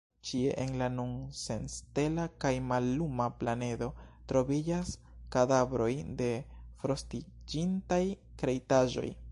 Ĉie en la nun senstela kaj malluma planedo troviĝas kadavroj de frostiĝintaj kreitaĵoj.